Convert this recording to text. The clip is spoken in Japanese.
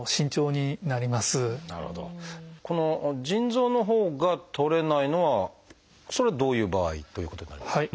腎臓のほうがとれないのはそれはどういう場合ということになりますか？